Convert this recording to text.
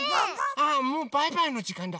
あっもうバイバイのじかんだ。